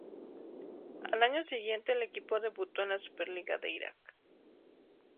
Al año siguiente el equipo debutó en la Super Liga de Irak.